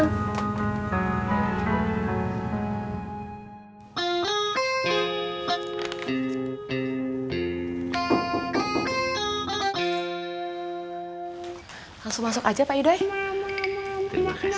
kayaknya mereka ada di kecil kecilan